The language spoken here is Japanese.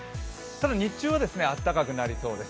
日中は暖かくなりそうです。